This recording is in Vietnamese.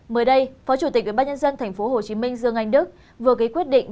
mới đây phó chủ tịch ủy ban nhân dân tp hcm dương anh đức vừa gây quyết định